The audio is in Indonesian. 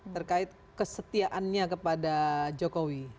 terkait kesetiaannya kepada jokowi